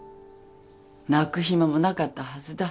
泣く暇もなかったはずだ。